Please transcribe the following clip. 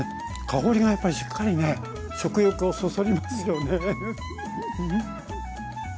香りがやっぱりしっかりね食欲をそそりますよね。